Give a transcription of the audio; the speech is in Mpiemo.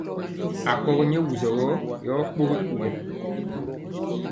Akɔgi nyɛ wusɔ gɔ yɔ kpogi kuvɔ.